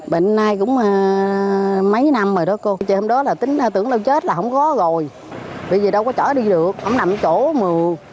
bệnh nay cũng mấy năm rồi đó cô hôm đó là tưởng là chết là không có rồi bởi vì đâu có chỗ đi được không nằm chỗ mưa